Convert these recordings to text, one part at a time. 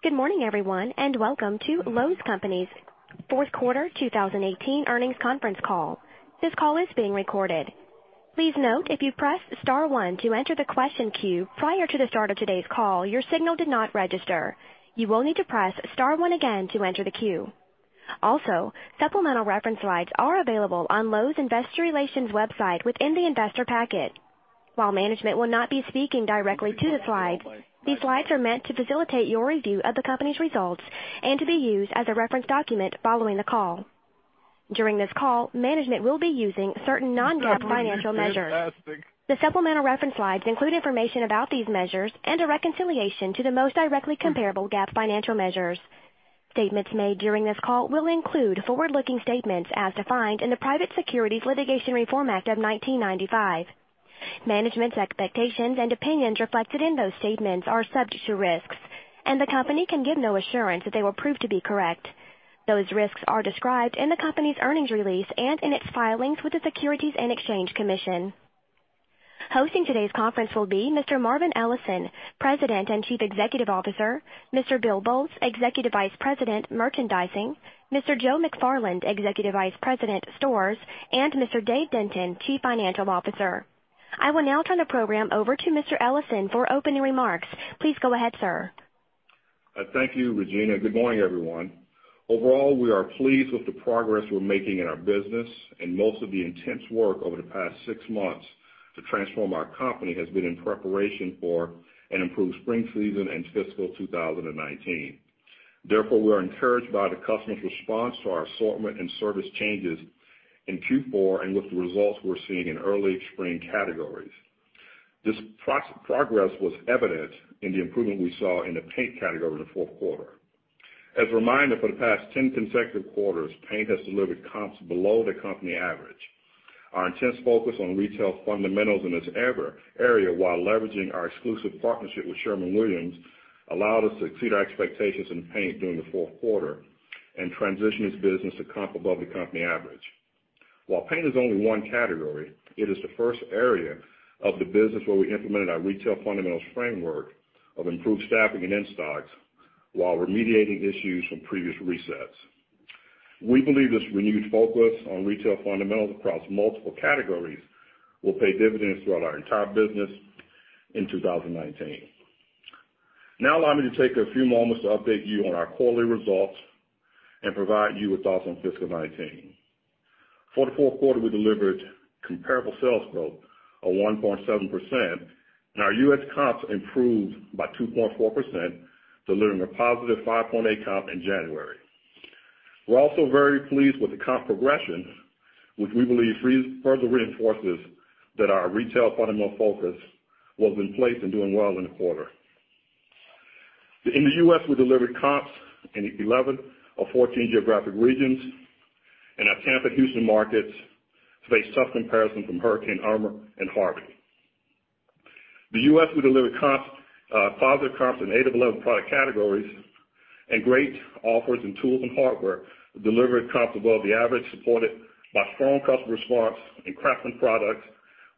Good morning everyone, and welcome to Lowe's Companies' fourth quarter 2018 earnings conference call. This call is being recorded. Please note if you press star one to enter the question queue prior to the start of today's call, your signal did not register. You will need to press star one again to enter the queue. Supplemental reference slides are available on Lowe's Investor Relations website within the investor packet. While management will not be speaking directly to the slides, these slides are meant to facilitate your review of the company's results and to be used as a reference document following the call. During this call, management will be using certain non-GAAP financial measures. The supplemental reference slides include information about these measures and a reconciliation to the most directly comparable GAAP financial measures. Statements made during this call will include forward-looking statements as defined in the Private Securities Litigation Reform Act of 1995. Management's expectations and opinions reflected in those statements are subject to risks, and the company can give no assurance that they will prove to be correct. Those risks are described in the company's earnings release and in its filings with the Securities and Exchange Commission. Hosting today's conference will be Mr. Marvin Ellison, President and Chief Executive Officer, Mr. Bill Boltz, Executive Vice President, Merchandising, Mr. Joe McFarland, Executive Vice President, Stores, and Mr. Dave Denton, Chief Financial Officer. I will now turn the program over to Mr. Ellison for opening remarks. Please go ahead, sir. Thank you, Regina. Good morning, everyone. We are pleased with the progress we're making in our business and most of the intense work over the past six months to transform our company has been in preparation for an improved spring season and fiscal 2019. We are encouraged by the customers' response to our assortment and service changes in Q4 and with the results we're seeing in early spring categories. This progress was evident in the improvement we saw in the paint category in the fourth quarter. For the past 10 consecutive quarters, paint has delivered comps below the company average. Our intense focus on retail fundamentals in this area while leveraging our exclusive partnership with Sherwin-Williams allowed us to exceed our expectations in paint during the fourth quarter and transition this business to comp above the company average. While paint is only one category, it is the first area of the business where we implemented our retail fundamentals framework of improved staffing and in-stocks while remediating issues from previous resets. We believe this renewed focus on retail fundamentals across multiple categories will pay dividends throughout our entire business in 2019. Allow me to take a few moments to update you on our quarterly results and provide you with thoughts on fiscal 2019. For the fourth quarter, we delivered comparable sales growth of 1.7%, and our U.S. comps improved by 2.4%, delivering a positive 5.8% comp in January. We're very pleased with the comp progression, which we believe further reinforces that our retail fundamental focus was in place and doing well in the quarter. In the U.S., we delivered comps in 11 of 14 geographic regions, and our Tampa Houston markets faced tough comparison from Hurricane Irma and Harvey. In the U.S., we delivered positive comps in eight of 11 product categories and great offers in tools and hardware, delivered comps above the average supported by strong customer response in Craftsman products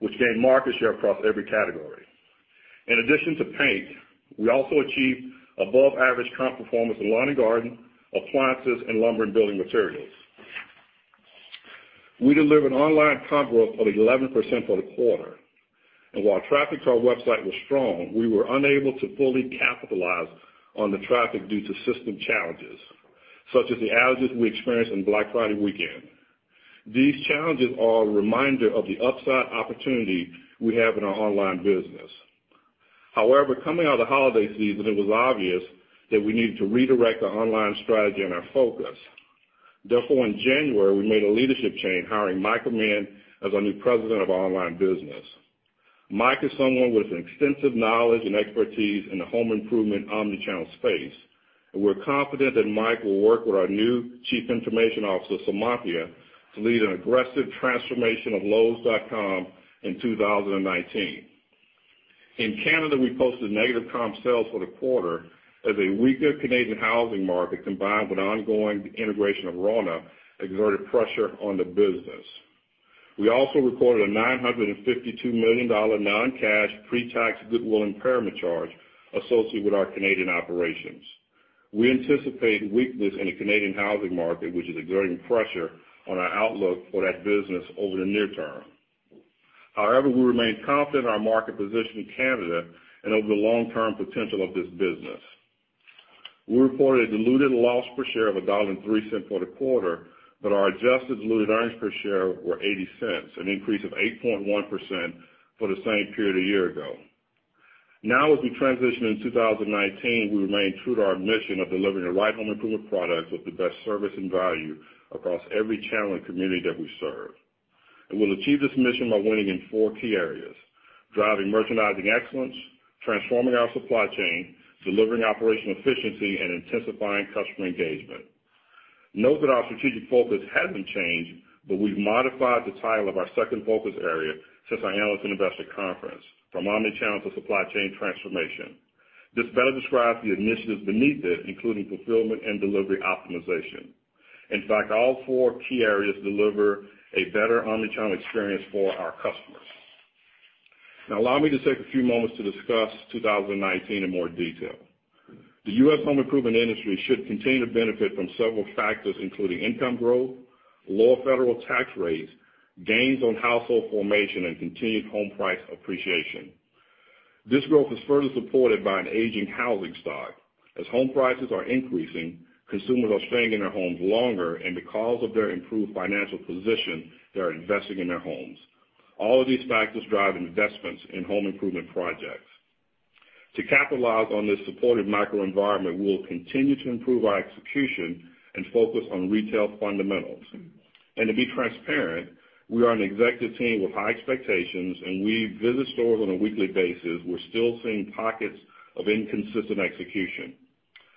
which gained market share across every category. In addition to paint, we also achieved above-average comp performance in lawn and garden, appliances, and lumber and building materials. We delivered online comp growth of 11% for the quarter. While traffic to our website was strong, we were unable to fully capitalize on the traffic due to system challenges, such as the outages we experienced on Black Friday weekend. These challenges are a reminder of the upside opportunity we have in our online business. Coming out of the holiday season, it was obvious that we needed to redirect our online strategy and our focus. In January, we made a leadership change, hiring Mike Amend as our new president of our online business. Mike is someone with an extensive knowledge and expertise in the home improvement omni-channel space, and we're confident that Mike will work with our new Chief Information Officer, Seemantini, to lead an aggressive transformation of lowes.com in 2019. In Canada, we posted negative comp sales for the quarter as a weaker Canadian housing market combined with ongoing integration of Rona exerted pressure on the business. We also recorded a $952 million non-cash pre-tax goodwill impairment charge associated with our Canadian operations. We anticipate weakness in the Canadian housing market, which is exerting pressure on our outlook for that business over the near term. We remain confident in our market position in Canada and over the long-term potential of this business. We reported a diluted loss per share of $1.03 for the quarter, but our adjusted diluted earnings per share were $0.80, an increase of 8.1% for the same period a year ago. As we transition into 2019, we remain true to our mission of delivering the right home improvement products with the best service and value across every channel and community that we serve. We'll achieve this mission by winning in four key areas: driving merchandising excellence, transforming our supply chain, delivering operational efficiency, and intensifying customer engagement. Note that our strategic focus hasn't changed, we've modified the title of our second focus area since our analyst and investor conference from omni-channel to supply chain transformation. This better describes the initiatives beneath it, including fulfillment and delivery optimization. In fact, all four key areas deliver a better omni-channel experience for our customers. Now allow me to take a few moments to discuss 2019 in more detail. The U.S. home improvement industry should continue to benefit from several factors, including income growth, lower federal tax rates, gains on household formation, and continued home price appreciation. This growth is further supported by an aging housing stock. As home prices are increasing, consumers are staying in their homes longer, and because of their improved financial position, they are investing in their homes. All of these factors drive investments in home improvement projects. To capitalize on this supportive microenvironment, we will continue to improve our execution and focus on retail fundamentals. To be transparent, we are an executive team with high expectations, and we visit stores on a weekly basis. We're still seeing pockets of inconsistent execution.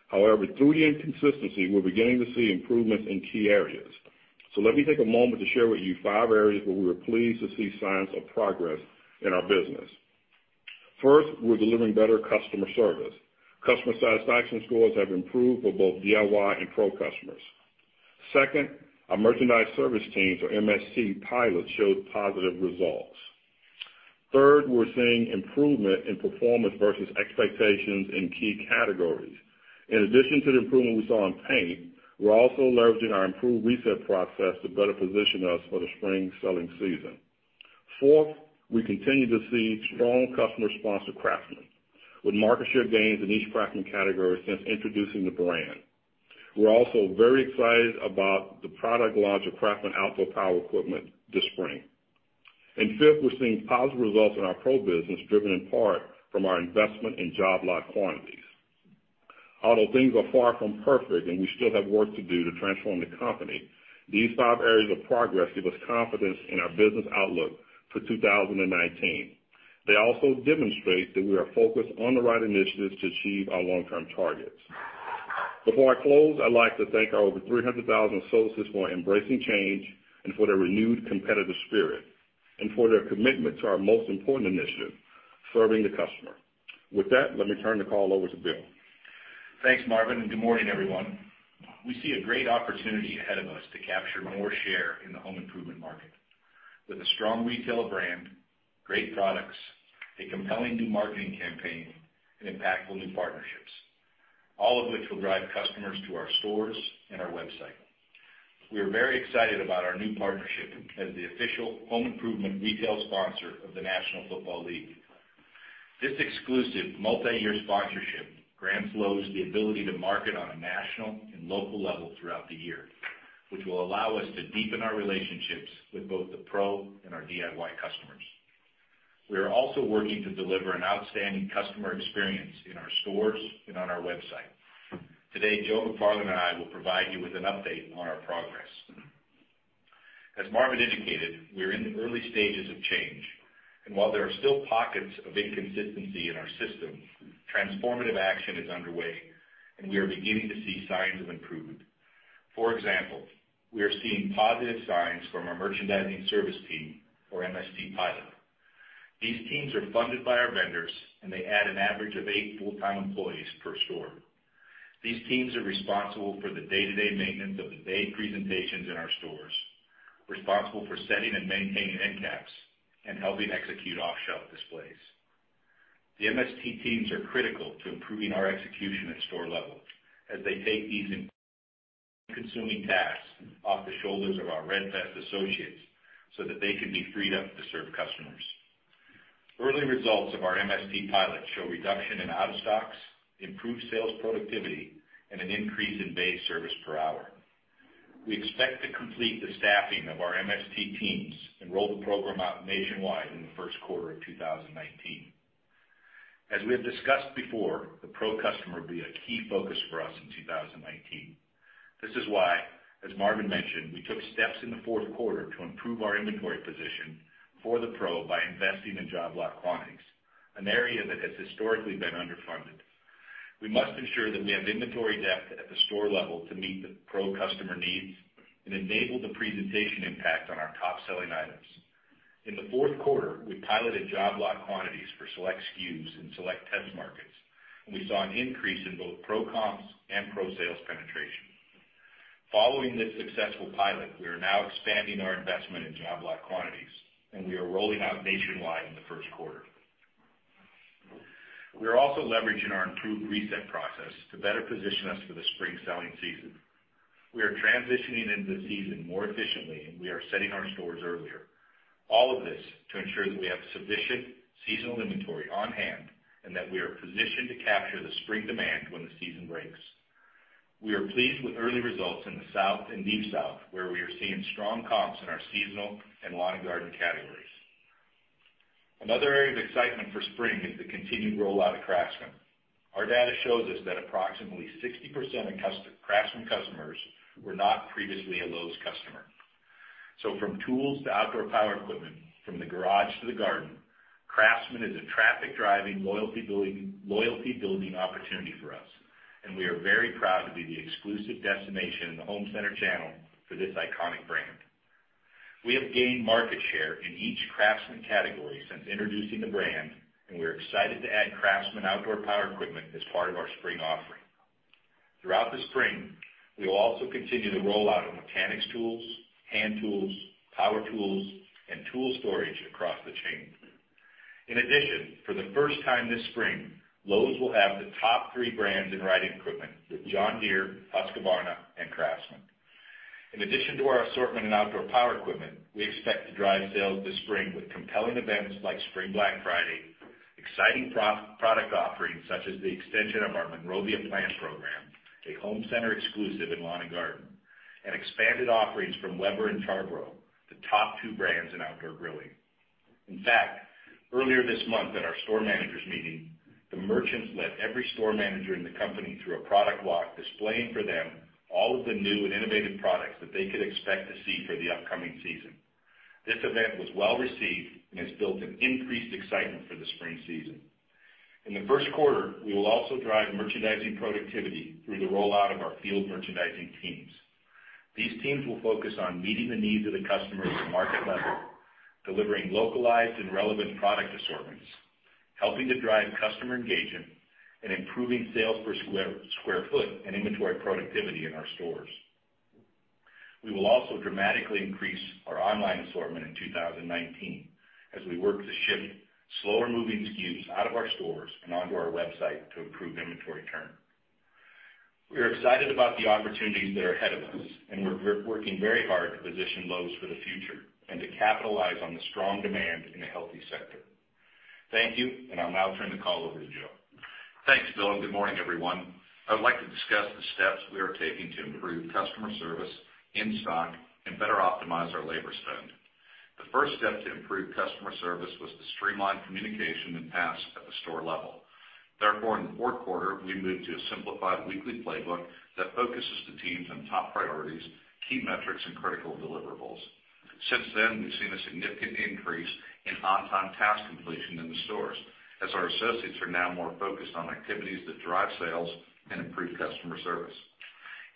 However, through the inconsistency, we're beginning to see improvements in key areas. Let me take a moment to share with you five areas where we were pleased to see signs of progress in our business. First, we're delivering better customer service. Customer satisfaction scores have improved for both DIY and pro customers. Second, our merchandise service teams, or MST pilot, showed positive results. Third, we're seeing improvement in performance versus expectations in key categories. In addition to the improvement we saw in paint, we're also leveraging our improved reset process to better position us for the spring selling season. Fourth, we continue to see strong customer response to Craftsman, with market share gains in each Craftsman category since introducing the brand. We're also very excited about the product launch of Craftsman outdoor power equipment this spring. Fifth, we're seeing positive results in our pro business, driven in part from our investment in job lot quantities. Although things are far from perfect and we still have work to do to transform the company, these five areas of progress give us confidence in our business outlook for 2019. They also demonstrate that we are focused on the right initiatives to achieve our long-term targets. Before I close, I'd like to thank our over 300,000 associates for embracing change and for their renewed competitive spirit, and for their commitment to our most important initiative, serving the customer. With that, let me turn the call over to Bill. Thanks, Marvin, good morning, everyone. We see a great opportunity ahead of us to capture more share in the home improvement market with a strong retail brand, great products, a compelling new marketing campaign, and impactful new partnerships, all of which will drive customers to our stores and our website. We are very excited about our new partnership as the official home improvement retail sponsor of the National Football League. This exclusive multi-year sponsorship grants Lowe's the ability to market on a national and local level throughout the year, which will allow us to deepen our relationships with both the pro and our DIY customers. We are also working to deliver an outstanding customer experience in our stores and on our website. Today, Joe McFarland and I will provide you with an update on our progress. As Marvin indicated, we are in the early stages of change, while there are still pockets of inconsistency in our system, transformative action is underway, we are beginning to see signs of improvement. For example, we are seeing positive signs from our merchandising service team, or MST pilot. These teams are funded by our vendors, they add an average of eight full-time employees per store. These teams are responsible for the day-to-day maintenance of the bay presentations in our stores, responsible for setting and maintaining end caps, and helping execute off-shelf displays. The MST teams are critical to improving our execution at store level as they take these time-consuming tasks off the shoulders of our Red Vest associates so that they can be freed up to serve customers. Early results of our MST pilot show reduction in out of stocks, improved sales productivity, and an increase in bay service per hour. We expect to complete the staffing of our MST teams and roll the program out nationwide in the first quarter of 2019. As we have discussed before, the pro customer will be a key focus for us in 2019. This is why, as Marvin mentioned, we took steps in the fourth quarter to improve our inventory position for the pro by investing in job lot quantities, an area that has historically been underfunded. We must ensure that we have inventory depth at the store level to meet the pro customer needs and enable the presentation impact on our top-selling items. In the fourth quarter, we piloted job lot quantities for select SKUs in select test markets. We saw an increase in both pro comps and pro sales penetration. Following this successful pilot, we are now expanding our investment in job lot quantities. We are rolling out nationwide in the first quarter. We are also leveraging our improved reset process to better position us for the spring selling season. We are transitioning into the season more efficiently. We are setting our stores earlier. All of this to ensure that we have sufficient seasonal inventory on hand and that we are positioned to capture the spring demand when the season breaks. We are pleased with early results in the South and Deep South, where we are seeing strong comps in our seasonal and lawn and garden categories. Another area of excitement for spring is the continued rollout of Craftsman. Our data shows us that approximately 60% of Craftsman customers were not previously a Lowe's customer. From tools to outdoor power equipment, from the garage to the garden, Craftsman is a traffic-driving, loyalty-building opportunity for us, and we are very proud to be the exclusive destination in the home center channel for this iconic brand. We have gained market share in each Craftsman category since introducing the brand, and we are excited to add Craftsman outdoor power equipment as part of our spring offering. Throughout the spring, we will also continue the rollout of mechanics tools, hand tools, power tools, and tool storage across the chain. In addition, for the first time this spring, Lowe's will have the top 3 brands in riding equipment with John Deere, Husqvarna, and Craftsman. In addition to our assortment in outdoor power equipment, we expect to drive sales this spring with compelling events like Spring Black Friday, exciting product offerings such as the extension of our Monrovia plant program, a home center exclusive in lawn and garden, and expanded offerings from Weber and Char-Broil, the top 2 brands in outdoor grilling. In fact, earlier this month at our store managers meeting, the merchants led every store manager in the company through a product walk, displaying for them all of the new and innovative products that they could expect to see for the upcoming season. This event was well-received and has built an increased excitement for the spring season. In the first quarter, we will also drive merchandising productivity through the rollout of our field merchandising teams. These teams will focus on meeting the needs of the customer at the market level, delivering localized and relevant product assortments, helping to drive customer engagement, and improving sales per sq ft and inventory productivity in our stores. We will also dramatically increase our online assortment in 2019 as we work to ship slower-moving SKUs out of our stores and onto our website to improve inventory turn. We are excited about the opportunities that are ahead of us, and we're working very hard to position Lowe's for the future and to capitalize on the strong demand in a healthy sector. Thank you, and I'll now turn the call over to Joe. Thanks, Bill, and good morning, everyone. I would like to discuss the steps we are taking to improve customer service, in-stock, and better optimize our labor spend. The first step to improve customer service was to streamline communication and tasks at the store level. Therefore, in the fourth quarter, we moved to a simplified weekly playbook that focuses the teams on top priorities, key metrics, and critical deliverables. Since then, we've seen a significant increase in on-time task completion in the stores as our associates are now more focused on activities that drive sales and improve customer service.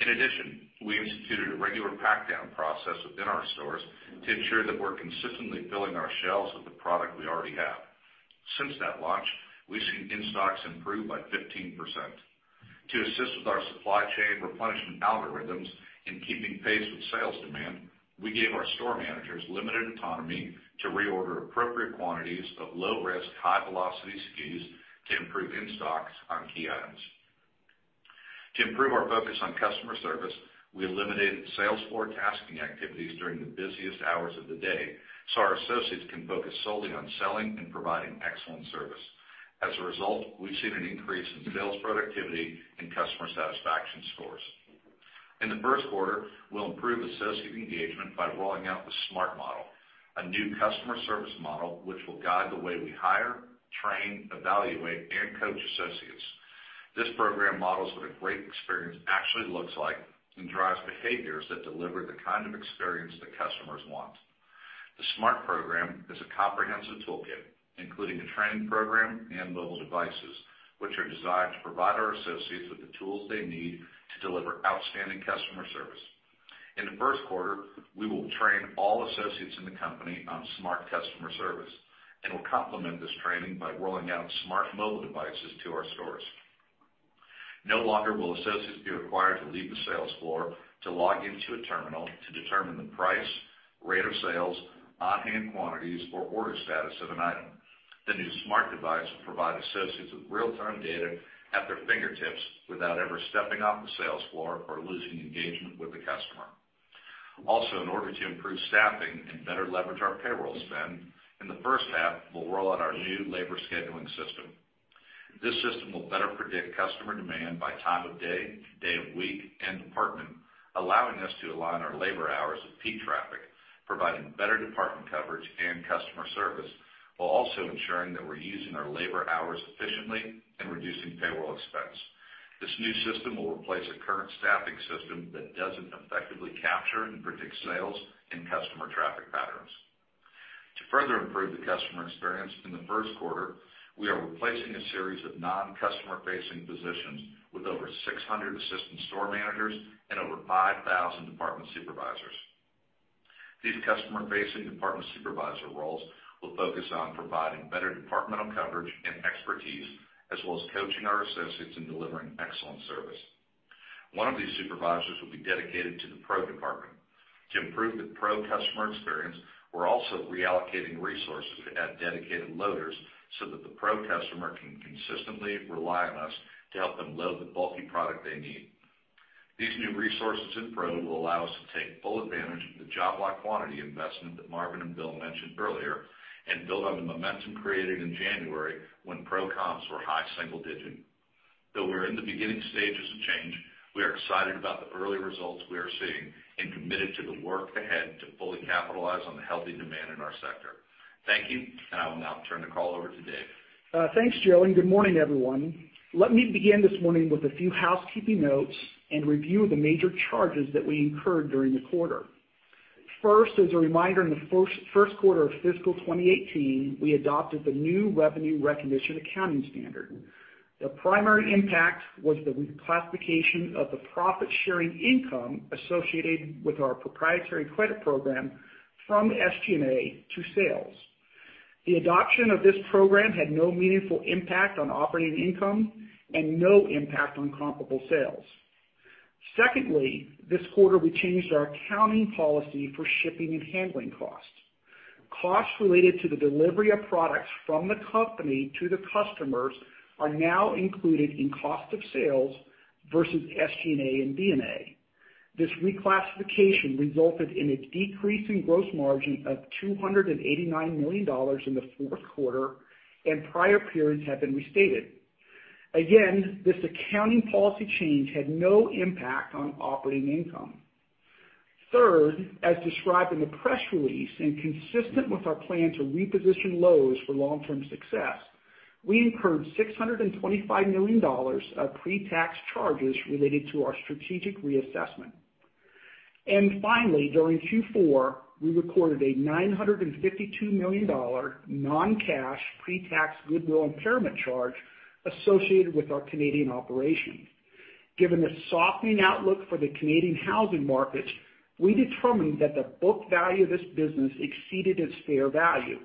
In addition, we instituted a regular pack-down process within our stores to ensure that we're consistently filling our shelves with the product we already have. Since that launch, we've seen in-stocks improve by 15%. To assist with our supply chain replenishment algorithms in keeping pace with sales demand, we gave our store managers limited autonomy to reorder appropriate quantities of low-risk, high-velocity SKUs to improve in-stocks on key items. To improve our focus on customer service, we eliminated sales floor tasking activities during the busiest hours of the day so our associates can focus solely on selling and providing excellent service. As a result, we've seen an increase in sales productivity and customer satisfaction scores. In the first quarter, we'll improve associate engagement by rolling out the SMART model, a new customer service model which will guide the way we hire, train, evaluate, and coach associates. This program models what a great experience actually looks like and drives behaviors that deliver the kind of experience that customers want. The SMART program is a comprehensive toolkit, including a training program and mobile devices, which are designed to provide our associates with the tools they need to deliver outstanding customer service. In the first quarter, we will train all associates in the company on SMART customer service and will complement this training by rolling out SMART mobile devices to our stores. No longer will associates be required to leave the sales floor to log into a terminal to determine the price, rate of sales, on-hand quantities, or order status of an item. The new SMART device will provide associates with real-time data at their fingertips without ever stepping off the sales floor or losing engagement with the customer. Also, in order to improve staffing and better leverage our payroll spend, in the first half, we'll roll out our new labor scheduling system. This system will better predict customer demand by time of day of week, and department, allowing us to align our labor hours with peak traffic, providing better department coverage and customer service, while also ensuring that we're using our labor hours efficiently and reducing payroll expense. This new system will replace a current staffing system that doesn't effectively capture and predict sales and customer traffic patterns. To further improve the customer experience in the first quarter, we are replacing a series of non-customer-facing positions with over 600 assistant store managers and over 5,000 department supervisors. These customer-facing department supervisor roles will focus on providing better departmental coverage and expertise, as well as coaching our associates in delivering excellent service. One of these supervisors will be dedicated to the Pro department. To improve the Pro customer experience, we're also reallocating resources to add dedicated loaders so that the Pro customer can consistently rely on us to help them load the bulky product they need. These new resources in Pro will allow us to take full advantage of the job lot quantity investment that Marvin and Bill mentioned earlier and build on the momentum created in January when Pro comps were high single digit. Though we're in the beginning stages of change, we are excited about the early results we are seeing and committed to the work ahead to fully capitalize on the healthy demand in our sector. Thank you, and I will now turn the call over to Dave. Thanks, Joe. Good morning, everyone. Let me begin this morning with a few housekeeping notes and review the major charges that we incurred during the quarter. First, as a reminder, in the first quarter of fiscal 2018, we adopted the new revenue recognition accounting standard. The primary impact was the reclassification of the profit-sharing income associated with our proprietary credit program from SG&A to sales. The adoption of this program had no meaningful impact on operating income and no impact on comparable sales. Secondly, this quarter, we changed our accounting policy for shipping and handling costs. Costs related to the delivery of products from the company to the customers are now included in cost of sales versus SG&A and D&A. This reclassification resulted in a decrease in gross margin of $289 million in the fourth quarter, and prior periods have been restated. This accounting policy change had no impact on operating income. Third, as described in the press release, consistent with our plan to reposition Lowe's for long-term success, we incurred $625 million of pre-tax charges related to our strategic reassessment. Finally, during Q4, we recorded a $952 million non-cash pre-tax goodwill impairment charge associated with our Canadian operations. Given the softening outlook for the Canadian housing markets, we determined that the book value of this business exceeded its fair value.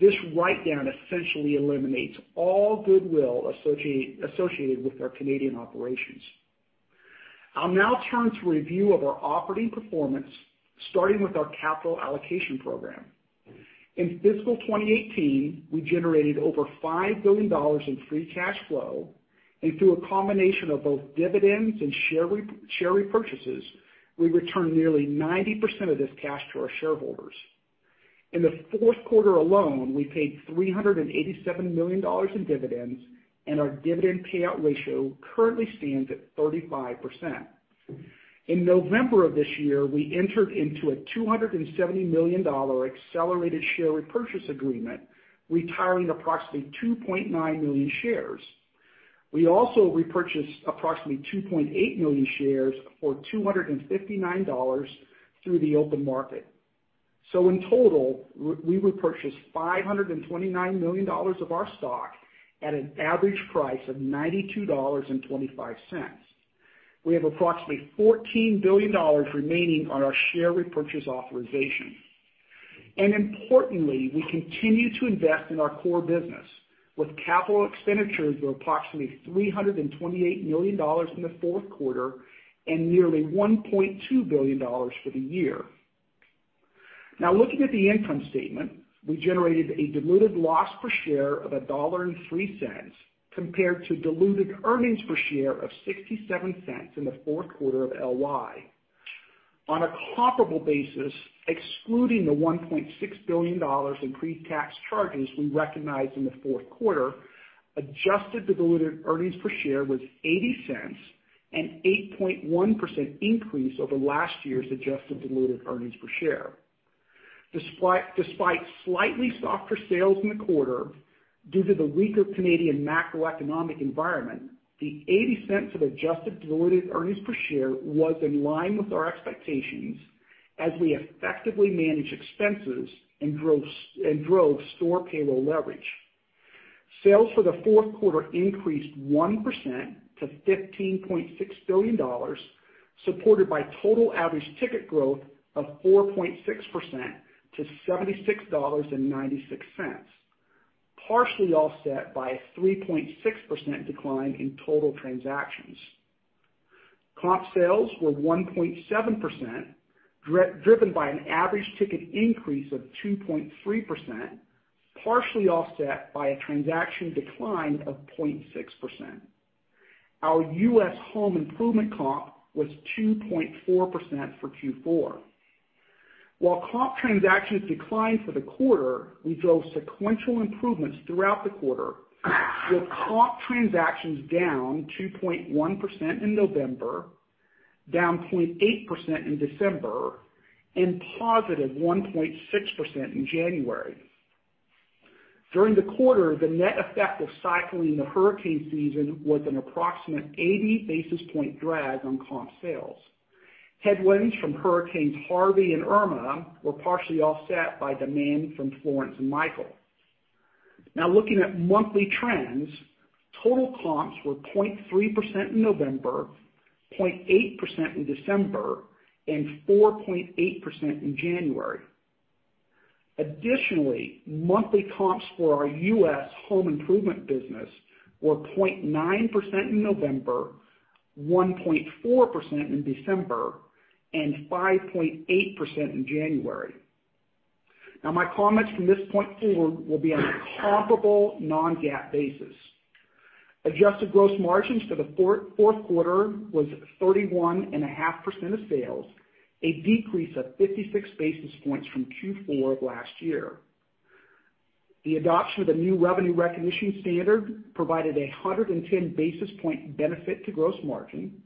This write-down essentially eliminates all goodwill associated with our Canadian operations. I'll now turn to a review of our operating performance, starting with our capital allocation program. In fiscal 2018, we generated over $5 billion in free cash flow, and through a combination of both dividends and share repurchases, we returned nearly 90% of this cash to our shareholders. In the fourth quarter alone, we paid $387 million in dividends, and our dividend payout ratio currently stands at 35%. In November of this year, we entered into a $270 million accelerated share repurchase agreement, retiring approximately 2.9 million shares. We also repurchased approximately 2.8 million shares for $259 through the open market. In total, we repurchased $529 million of our stock at an average price of $92.25. We have approximately $14 billion remaining on our share repurchase authorization. Importantly, we continue to invest in our core business with capital expenditures of approximately $328 million in the fourth quarter and nearly $1.2 billion for the year. Looking at the income statement, we generated a diluted loss per share of $1.03, compared to diluted earnings per share of $0.67 in the fourth quarter of LY. On a comparable basis, excluding the $1.6 billion in pre-tax charges we recognized in the fourth quarter, adjusted diluted earnings per share was $0.80, an 8.1% increase over last year's adjusted diluted earnings per share. Despite slightly softer sales in the quarter due to the weaker Canadian macroeconomic environment, the $0.80 of adjusted diluted earnings per share was in line with our expectations as we effectively managed expenses and drove store payroll leverage. Sales for the fourth quarter increased 1% to $15.6 billion, supported by total average ticket growth of 4.6% to $76.96, partially offset by a 3.6% decline in total transactions. Comp sales were 1.7%, driven by an average ticket increase of 2.3%, partially offset by a transaction decline of 0.6%. Our U.S. home improvement comp was 2.4% for Q4. While comp transactions declined for the quarter, we drove sequential improvements throughout the quarter, with comp transactions down 2.1% in November, down 0.8% in December, and positive 1.6% in January. During the quarter, the net effect of cycling the hurricane season was an approximate 80 basis point drag on comp sales. Headwinds from hurricanes Harvey and Irma were partially offset by demand from Florence and Michael. Looking at monthly trends, total comps were 0.3% in November, 0.8% in December, and 4.8% in January. Additionally, monthly comps for our U.S. home improvement business were 0.9% in November, 1.4% in December, and 5.8% in January. My comments from this point forward will be on a comparable non-GAAP basis. Adjusted gross margins for the fourth quarter was 31.5% of sales, a decrease of 56 basis points from Q4 of last year. The adoption of the new revenue recognition standard provided 110 basis point benefit to gross margin.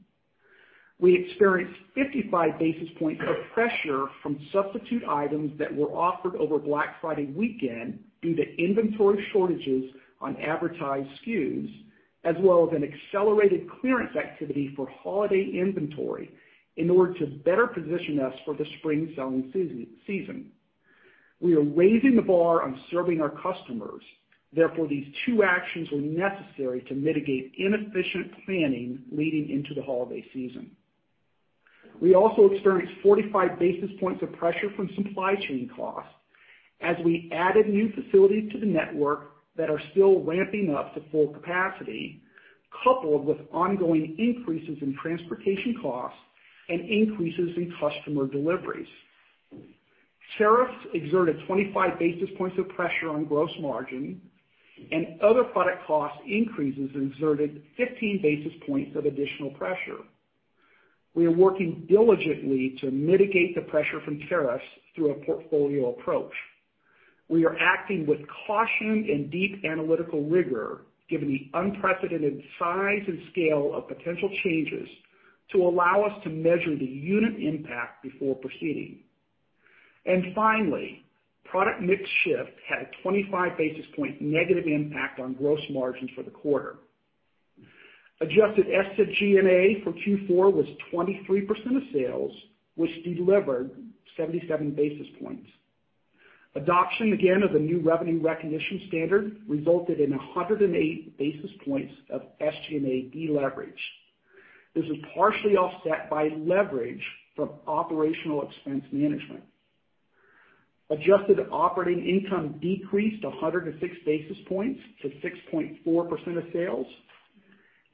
We experienced 55 basis points of pressure from substitute items that were offered over Black Friday weekend due to inventory shortages on advertised SKUs, as well as an accelerated clearance activity for holiday inventory in order to better position us for the spring selling season. We are raising the bar on serving our customers, therefore, these two actions were necessary to mitigate inefficient planning leading into the holiday season. We also experienced 45 basis points of pressure from supply chain costs as we added new facilities to the network that are still ramping up to full capacity, coupled with ongoing increases in transportation costs and increases in customer deliveries. Tariffs exerted 25 basis points of pressure on gross margin, and other product cost increases exerted 15 basis points of additional pressure. We are working diligently to mitigate the pressure from tariffs through a portfolio approach. We are acting with caution and deep analytical rigor, given the unprecedented size and scale of potential changes to allow us to measure the unit impact before proceeding. Finally, product mix shift had a 25 basis point negative impact on gross margins for the quarter. Adjusted SG&A for Q4 was 23% of sales, which delivered 77 basis points. Adoption, again, of the new revenue recognition standard resulted in 108 basis points of SG&A deleverage. This is partially offset by leverage from operational expense management. Adjusted operating income decreased 106 basis points to 6.4% of sales.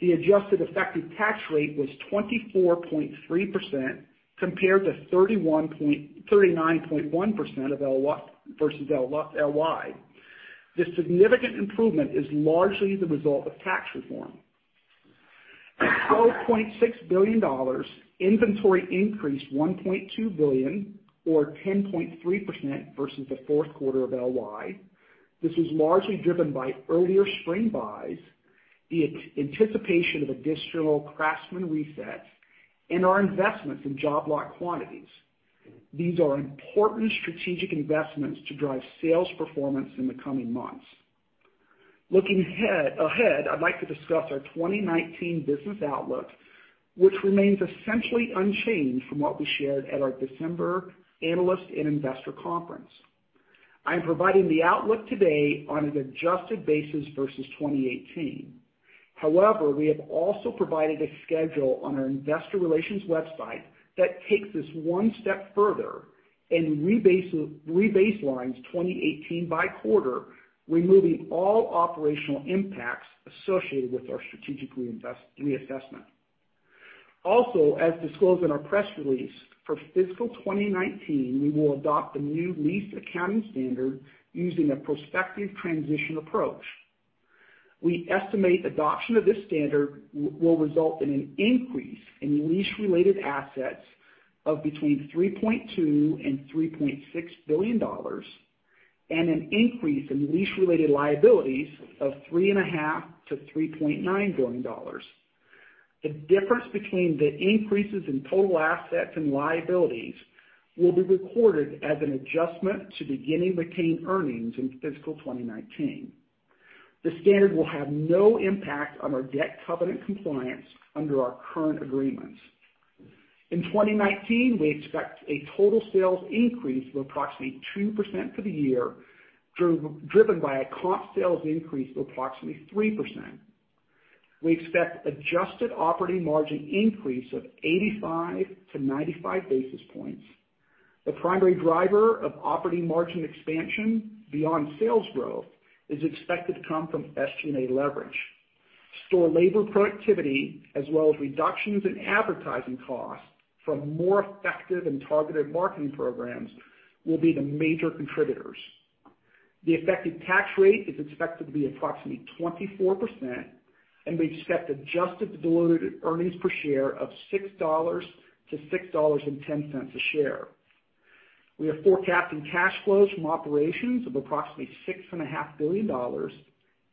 The adjusted effective tax rate was 24.3% compared to 39.1% versus LY. This significant improvement is largely the result of tax reform. At $12.6 billion, inventory increased $1.2 billion, or 10.3%, versus the fourth quarter of LY. This was largely driven by earlier spring buys, the anticipation of additional Craftsman resets, and our investments in job lot quantities. These are important strategic investments to drive sales performance in the coming months. Looking ahead, I'd like to discuss our 2019 business outlook, which remains essentially unchanged from what we shared at our December analyst and investor conference. I am providing the outlook today on an adjusted basis versus 2018. However, we have also provided a schedule on our investor relations website that takes this one step further and rebaselines 2018 by quarter, removing all operational impacts associated with our strategic reassessment. Also, as disclosed in our press release, for fiscal 2019, we will adopt the new lease accounting standard using a prospective transition approach. We estimate adoption of this standard will result in an increase in lease-related assets of between $3.2 billion and $3.6 billion, and an increase in lease-related liabilities of $3.5 billion-$3.9 billion. The difference between the increases in total assets and liabilities will be recorded as an adjustment to beginning retained earnings in fiscal 2019. The standard will have no impact on our debt covenant compliance under our current agreements. In 2019, we expect a total sales increase of approximately 2% for the year, driven by a comp sales increase of approximately 3%. We expect adjusted operating margin increase of 85-95 basis points. The primary driver of operating margin expansion beyond sales growth is expected to come from SG&A leverage. Store labor productivity, as well as reductions in advertising costs from more effective and targeted marketing programs will be the major contributors. The effective tax rate is expected to be approximately 24%. We expect adjusted diluted earnings per share of $6-$6.10 a share. We are forecasting cash flows from operations of approximately $6.5 billion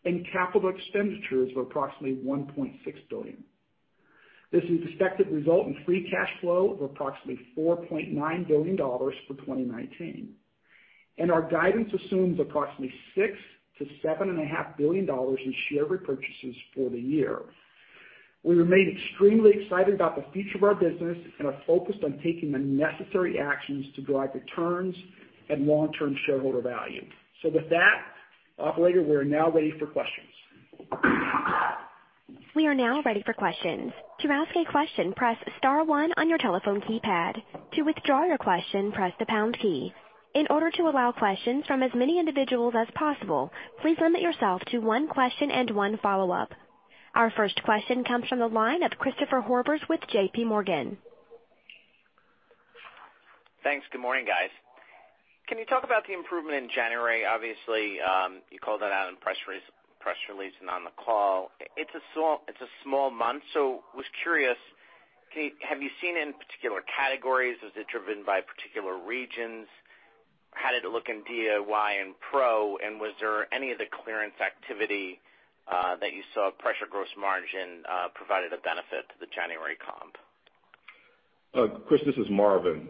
and capital expenditures of approximately $1.6 billion. This is expected to result in free cash flow of approximately $4.9 billion for 2019. Our guidance assumes approximately $6 billion-$7.5 billion in share repurchases for the year. We remain extremely excited about the future of our business and are focused on taking the necessary actions to drive returns and long-term shareholder value. With that, Operator, we are now ready for questions. We are now ready for questions. To ask a question, press star one on your telephone keypad. To withdraw your question, press the pound key. In order to allow questions from as many individuals as possible, please limit yourself to one question and one follow-up. Our first question comes from the line of Christopher Horvers with JPMorgan. Thanks. Good morning, guys. Can you talk about the improvement in January? Obviously, you called that out in press release and on the call. It's a small month, so was curious, have you seen in particular categories, is it driven by particular regions? How did it look in DIY and pro? Was there any of the clearance activity that you saw pressure gross margin provided a benefit to the January comp? Chris, this is Marvin.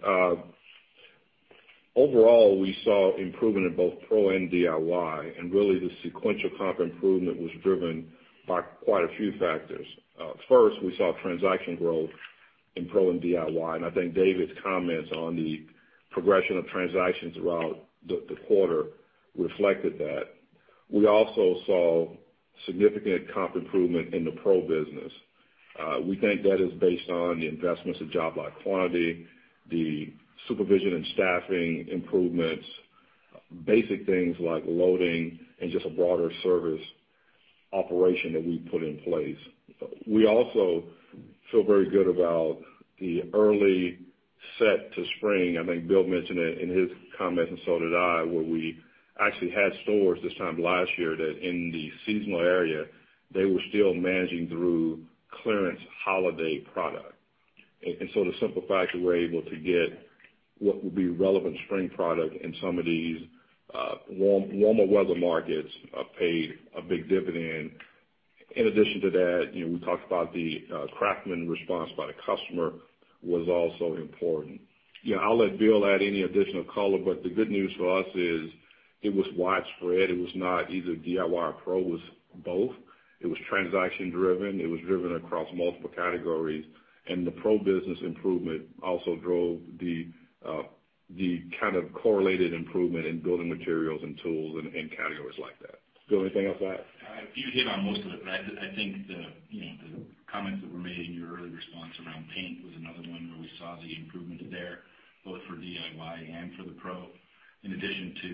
Overall, we saw improvement in both pro and DIY, really the sequential comp improvement was driven by quite a few factors. First, we saw transaction growth in pro and DIY, I think Dave's comments on the progression of transactions throughout the quarter reflected that. We also saw significant comp improvement in the pro business. We think that is based on the investments of job lot quantities, the supervision and staffing improvements, basic things like loading and just a broader service operation that we put in place. We also feel very good about the early set to spring. I think Bill mentioned it in his comments, so did I, where we actually had stores this time last year that in the seasonal area, they were still managing through clearance holiday product. The simple fact that we're able to get what will be relevant spring product in some of these warmer weather markets paid a big dividend. In addition to that, we talked about the Craftsman response by the customer was also important. I'll let Bill add any additional color, the good news for us is it was widespread. It was not either DIY or pro. It was both. It was transaction-driven. It was driven across multiple categories, and the pro business improvement also drove the kind of correlated improvement in building materials and tools and categories like that. Bill, anything else to add? You hit on most of it. I think the comments that were made in your early response around paint was another one where we saw the improvements there, both for DIY and for the pro, in addition to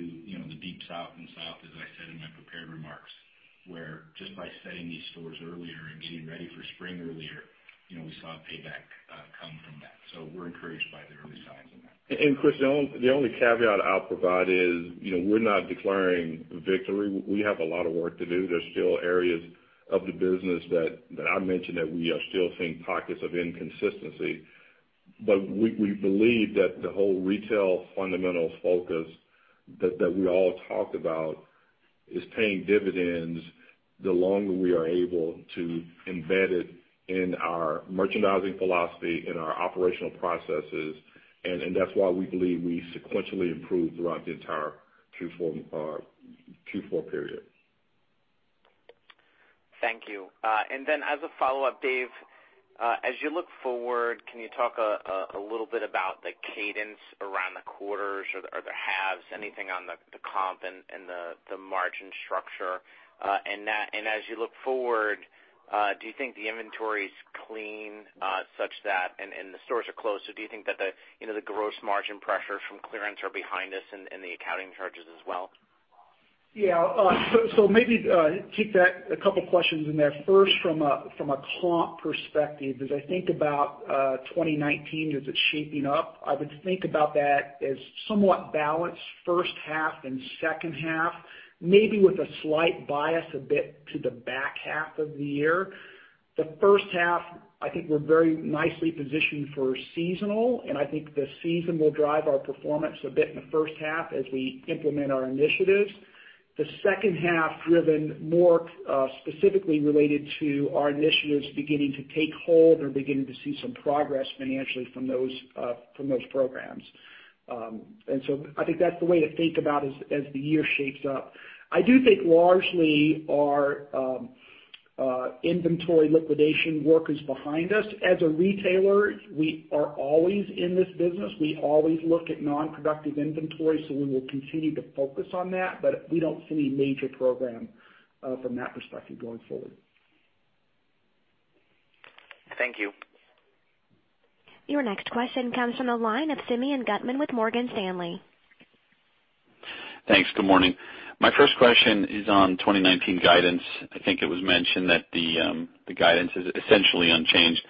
the Deep South and South, as I said in my prepared remarks, where just by setting these stores earlier and getting ready for spring earlier, we saw payback come from that. We're encouraged by the early signs in that. Chris, the only caveat I'll provide is, we're not declaring victory. We have a lot of work to do. There's still areas of the business that I mentioned that we are still seeing pockets of inconsistency. We believe that the whole retail fundamentals focus that we all talk about is paying dividends the longer we are able to embed it in our merchandising philosophy, in our operational processes, and that's why we believe we sequentially improved throughout the entire Q4 period. Thank you. As a follow-up, Dave, as you look forward, can you talk a little bit about the cadence around the quarters or the halves, anything on the comp and the margin structure? As you look forward, do you think the inventory's clean? The stores are closed. Do you think that the gross margin pressures from clearance are behind us and the accounting charges as well? Maybe take that, a couple of questions in there. First, from a comp perspective, as I think about 2019 as it's shaping up, I would think about that as somewhat balanced first half and second half, maybe with a slight bias a bit to the back half of the year. The first half, I think we're very nicely positioned for seasonal, and I think the season will drive our performance a bit in the first half as we implement our initiatives. The second half driven more specifically related to our initiatives beginning to take hold and beginning to see some progress financially from those programs. I think that's the way to think about it as the year shapes up. I do think largely our inventory liquidation work is behind us. As a retailer, we are always in this business. We always look at non-productive inventory, so we will continue to focus on that, but we don't see major program from that perspective going forward. Thank you. Your next question comes from the line of Simeon Gutman with Morgan Stanley. Thanks. Good morning. My first question is on 2019 guidance. I think it was mentioned that the guidance is essentially unchanged.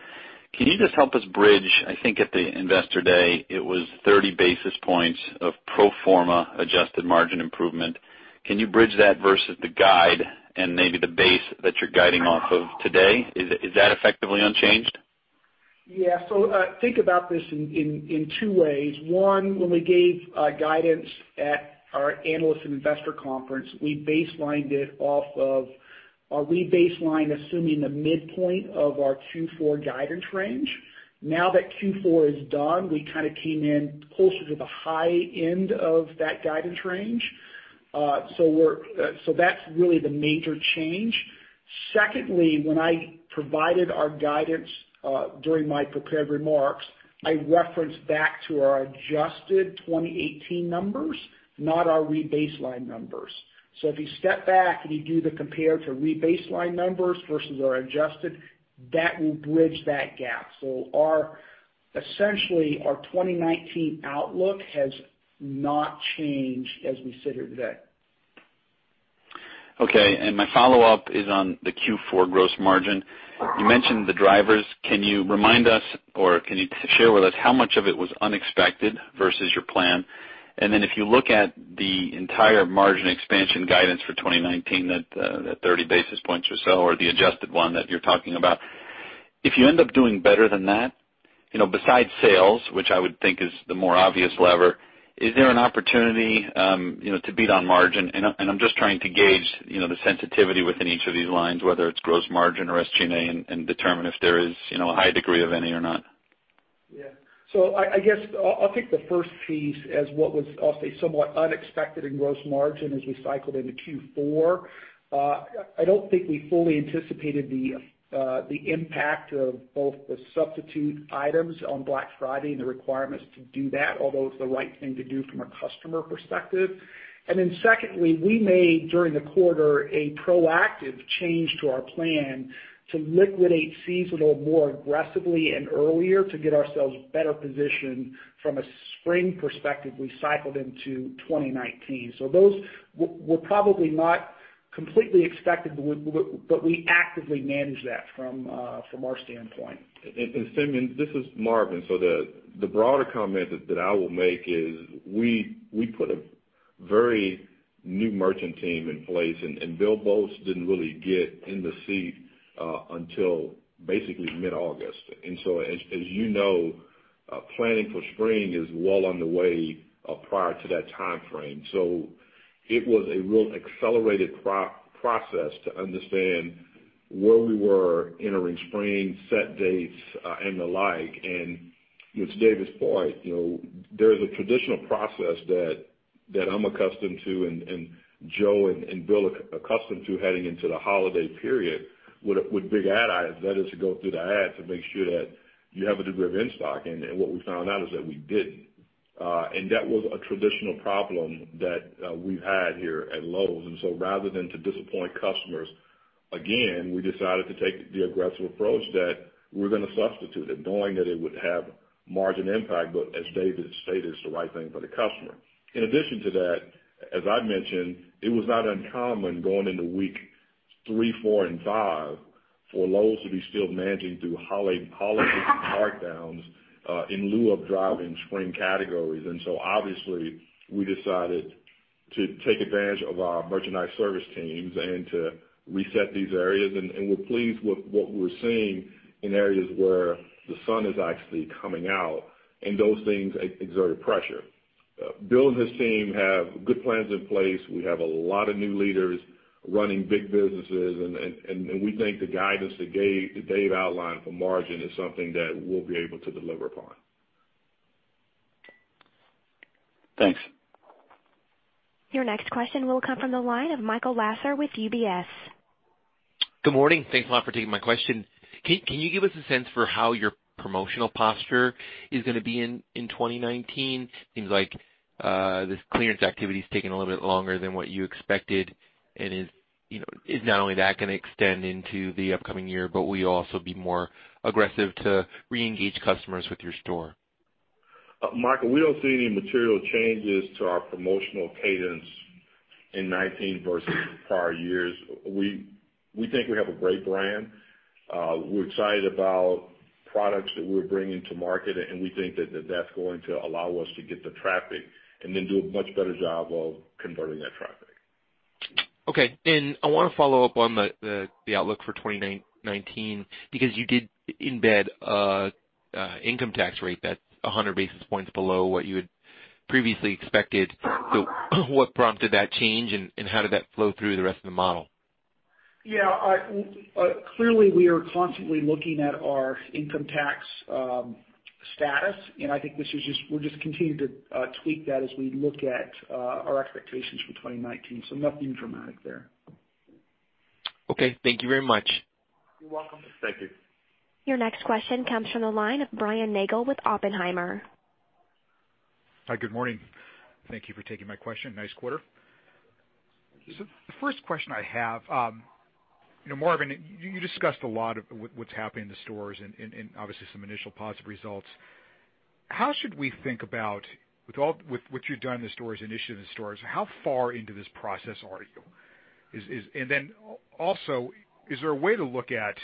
Can you just help us bridge, I think at the Investor Day, it was 30 basis points of pro forma adjusted margin improvement. Can you bridge that versus the guide and maybe the base that you're guiding off of today? Is that effectively unchanged? Yeah. Think about this in two ways. One, when we gave guidance at our Analyst and Investor Conference, we baselined it off of our rebaseline, assuming the midpoint of our Q4 guidance range. Now that Q4 is done, we kind of came in closer to the high end of that guidance range. Secondly, when I provided our guidance, during my prepared remarks, I referenced back to our adjusted 2018 numbers, not our rebaseline numbers. If you step back and you do the compare to rebaseline numbers versus our adjusted, that will bridge that gap. Essentially, our 2019 outlook has not changed as we sit here today. Okay. My follow-up is on the Q4 gross margin. You mentioned the drivers. Can you remind us or can you share with us how much of it was unexpected versus your plan? If you look at the entire margin expansion guidance for 2019, that 30 basis points or so, or the adjusted one that you're talking about, if you end up doing better than that, besides sales, which I would think is the more obvious lever, is there an opportunity to beat on margin? I'm just trying to gauge the sensitivity within each of these lines, whether it's gross margin or SG&A, and determine if there is a high degree of any or not. Yeah. I guess I'll take the first piece as what was, I'll say, somewhat unexpected in gross margin as we cycled into Q4. I don't think we fully anticipated the impact of both the substitute items on Black Friday and the requirements to do that, although it's the right thing to do from a customer perspective. Secondly, we made, during the quarter, a proactive change to our plan to liquidate seasonal more aggressively and earlier to get ourselves better positioned from a spring perspective we cycled into 2019. Those were probably not completely expected, but we actively managed that from our standpoint. Simeon, this is Marvin. The broader comment that I will make is we put a very new merchant team in place, Bill Boltz didn't really get in the seat until basically mid-August. As you know, planning for spring is well underway prior to that timeframe. It was a real accelerated process to understand where we were entering spring set dates and the like. With Dave's point, there's a traditional process that I'm accustomed to and Joe and Bill are accustomed to heading into the holiday period with big ad buys, that is to go through the ad to make sure that you have a degree of in-stock. What we found out is that we didn't. That was a traditional problem that we've had here at Lowe's. Rather than to disappoint customers again, we decided to take the aggressive approach that we're going to substitute it knowing that it would have margin impact, but as Dave stated, it's the right thing for the customer. In addition to that, as I mentioned, it was not uncommon going into week three, four, and five for Lowe's to be still managing through holiday markdowns in lieu of driving spring categories. Obviously we decided to take advantage of our merchandise service teams and to reset these areas and we're pleased with what we're seeing in areas where the sun is actually coming out and those things exert pressure. Bill and his team have good plans in place. We have a lot of new leaders running big businesses, and we think the guidance that Dave outlined for margin is something that we'll be able to deliver upon. Thanks. Your next question will come from the line of Michael Lasser with UBS. Good morning. Thanks a lot for taking my question. Can you give us a sense for how your promotional posture is gonna be in 2019? Seems like this clearance activity is taking a little bit longer than what you expected and is not only that gonna extend into the upcoming year, but will you also be more aggressive to reengage customers with your store? Michael, we don't see any material changes to our promotional cadence in 2019 versus prior years. We think we have a great brand. We're excited about products that we're bringing to market, we think that that's going to allow us to get the traffic and then do a much better job of converting that traffic. Okay. I want to follow up on the outlook for 2019 because you did embed income tax rate that's 100 basis points below what you had previously expected. What prompted that change and how did that flow through the rest of the model? Yeah. Clearly, we are constantly looking at our income tax status, and I think we'll just continue to tweak that as we look at our expectations for 2019. Nothing dramatic there. Okay. Thank you very much. You're welcome. Thank you. Your next question comes from the line of Brian Nagel with Oppenheimer. Hi, good morning. Thank you for taking my question. Nice quarter. Thank you. The first question I have, Marvin, you discussed a lot of what's happening in the stores and obviously some initial positive results. How should we think about with what you've done in the stores, initiative in the stores, how far into this process are you? Also, is there a way to look at,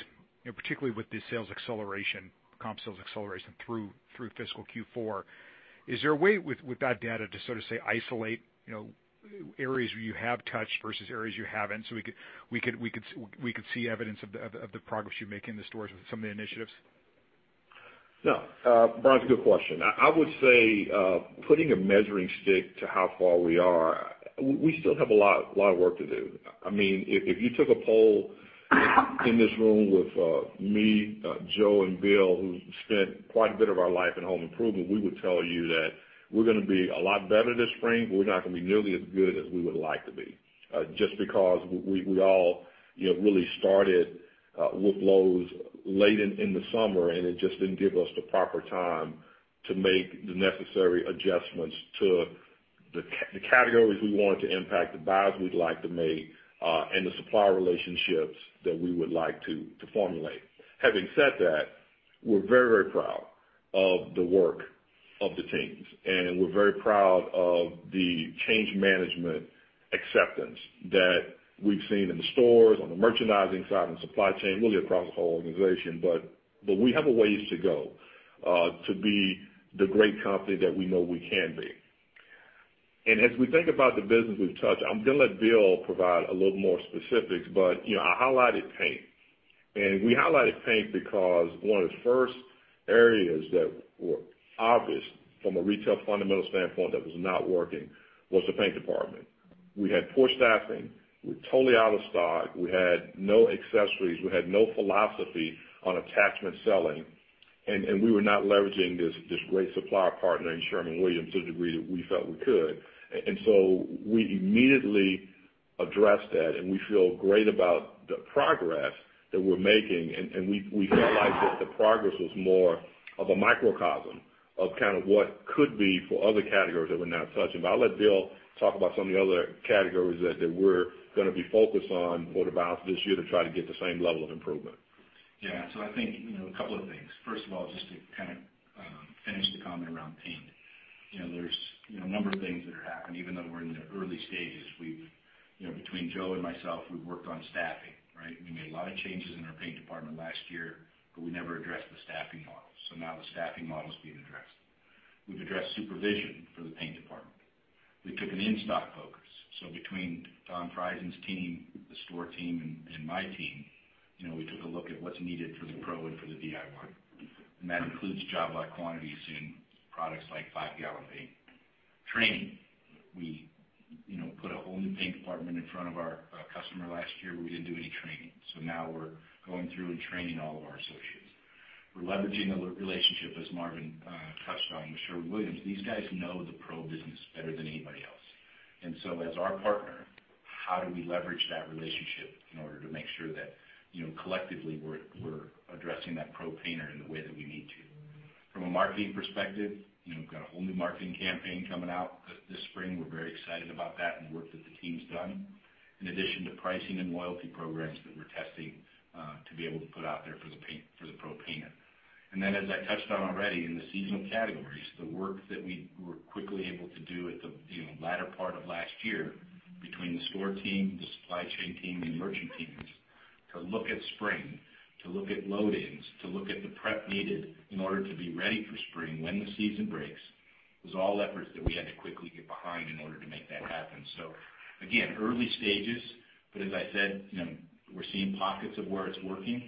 particularly with the sales acceleration, comp sales acceleration through fiscal Q4, is there a way with that data to sort of say isolate areas where you have touched versus areas you haven't so we could see evidence of the progress you make in the stores with some of the initiatives? No. Brian, it's a good question. I would say, putting a measuring stick to how far we are, we still have a lot of work to do. If you took a poll in this room with me, Joe, and Bill, who spent quite a bit of our life in home improvement, we would tell you that we're gonna be a lot better this spring, but we're not gonna be nearly as good as we would like to be just because we all really started with Lowe's late in the summer, and it just didn't give us the proper time to make the necessary adjustments to the categories we wanted to impact, the buys we'd like to make, and the supplier relationships that we would like to formulate. Having said that, we're very proud of the work of the teams, and we're very proud of the change management acceptance that we've seen in the stores, on the merchandising side and supply chain, really across the whole organization. We have a ways to go to be the great company that we know we can be. As we think about the business we've touched, I'm gonna let Bill provide a little more specifics, but I highlighted paint and we highlighted paint because one of the first areas that were obvious from a retail fundamental standpoint that was not working was the paint department. We had poor staffing. We were totally out of stock. We had no accessories. We had no philosophy on attachment selling. We were not leveraging this great supply partner in Sherwin-Williams to the degree that we felt we could. We immediately addressed that, and we feel great about the progress that we're making. We felt like that the progress was more of a microcosm of kind of what could be for other categories that we're now touching. I'll let Bill talk about some of the other categories that we're going to be focused on for the balance of this year to try to get the same level of improvement. Yeah. I think, a couple of things. First of all, just to kind of finish the comment around paint. There's a number of things that are happening, even though we're in the early stages. Between Joe and myself, we've worked on staffing, right? We made a lot of changes in our paint department last year, but we never addressed the staffing model. Now the staffing model's being addressed. We've addressed supervision for the paint department. We took an in-stock focus, between Don Frieson's team, the store team, and my team, we took a look at what's needed for the pro and for the DIY. That includes job lot quantities in products like 5-gallon paint. Training. We put a whole new paint department in front of our customer last year, but we didn't do any training. Now we're going through and training all of our associates. We're leveraging a relationship, as Marvin touched on, with Sherwin-Williams. These guys know the pro business better than anybody else. As our partner, how do we leverage that relationship in order to make sure that collectively we're addressing that pro painter in the way that we need to. From a marketing perspective, we've got a whole new marketing campaign coming out this spring. We're very excited about that and the work that the team's done. In addition to pricing and loyalty programs that we're testing to be able to put out there for the pro painter. As I touched on already, in the seasonal categories, the work that we were quickly able to do at the latter part of last year between the store team, the supply chain team, and the merchant teams to look at spring, to look at load-ins, to look at the prep needed in order to be ready for spring when the season breaks. It was all efforts that we had to quickly get behind in order to make that happen. Again, early stages, but as I said, we're seeing pockets of where it's working,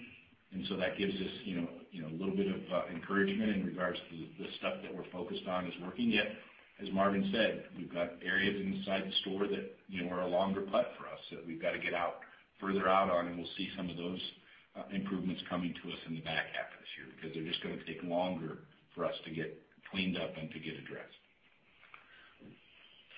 that gives us a little bit of encouragement in regards to the stuff that we're focused on is working. Yet, as Marvin said, we've got areas inside the store that are a longer putt for us, that we've got to get further out on, and we'll see some of those improvements coming to us in the back half of this year, because they're just going to take longer for us to get cleaned up and to get addressed.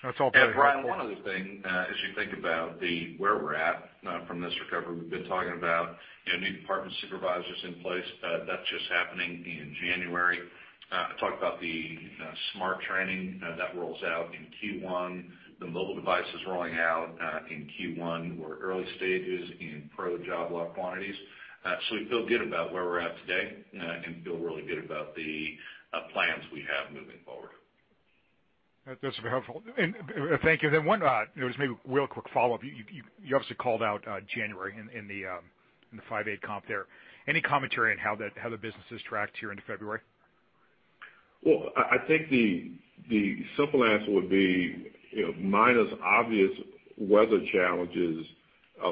That's all very helpful. Brian, one other thing, as you think about where we're at from this recovery, we've been talking about new department supervisors in place. That's just happening in January. I talked about the SMART training that rolls out in Q1. The mobile devices rolling out in Q1. We're early stages in pro job lot quantities. We feel good about where we're at today and feel really good about the plans we have moving forward. That's very helpful. Thank you. One maybe real quick follow-up. You obviously called out January in the 58% comp there. Any commentary on how the business has tracked here into February? Well, I think the simple answer would be, minus obvious weather challenges,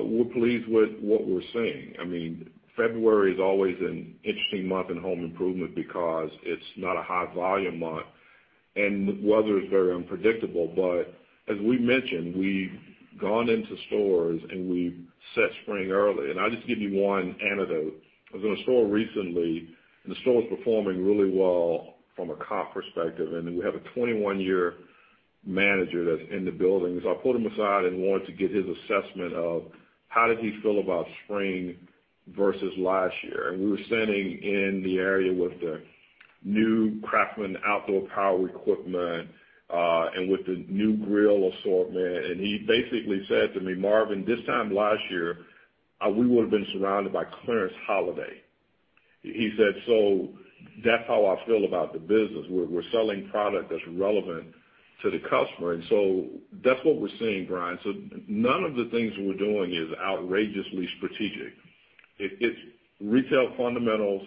we're pleased with what we're seeing. February is always an interesting month in home improvement because it's not a high volume month, and weather is very unpredictable. As we mentioned, we've gone into stores, and we've set spring early. I'll just give you one anecdote. I was in a store recently, and the store was performing really well from a comp perspective. Then we have a 21-year manager that's in the building. I pulled him aside and wanted to get his assessment of how did he feel about spring versus last year. We were standing in the area with the new Craftsman outdoor power equipment, and with the new grill assortment. He basically said to me, "Marvin, this time last year, we would've been surrounded by clearance holiday." He said, "That's how I feel about the business. We're selling product that's relevant to the customer." That's what we're seeing, Brian. None of the things we're doing is outrageously strategic. It's retail fundamentals,